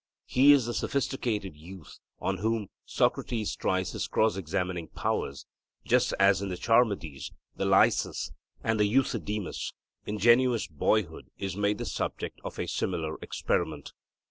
He is the sophisticated youth on whom Socrates tries his cross examining powers, just as in the Charmides, the Lysis, and the Euthydemus, ingenuous boyhood is made the subject of a similar experiment.